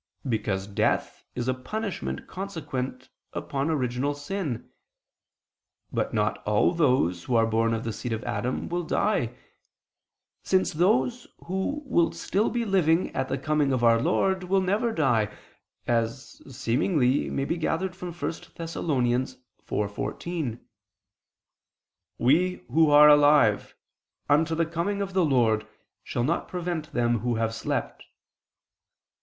Because death is a punishment consequent upon original sin. But not all those, who are born of the seed of Adam, will die: since those who will be still living at the coming of our Lord, will never die, as, seemingly, may be gathered from 1 Thess. 4:14: "We who are alive ... unto the coming of the Lord, shall not prevent them who have slept."